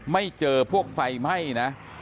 ไม่เจอพวกไฟไหม้นะ